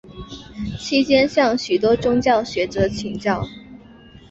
期间向许多宗教学者请教。